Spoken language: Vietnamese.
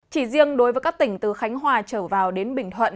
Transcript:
chỉ riêng đối với các tỉnh từ khánh hòa trở vào đến bình thuận